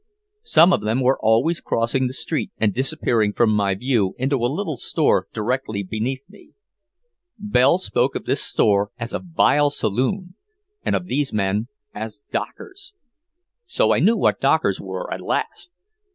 Some of them were always crossing the street and disappearing from my view into a little store directly underneath me. Belle spoke of this store as a "vile saloon" and of these men as "dockers." So I knew what Dockers were at last!